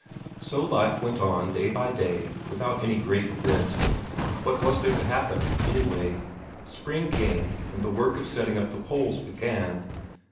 So life went on day by day, without any great event. What was there to happen, anyway? Spring came, and the work of setting up the poles began.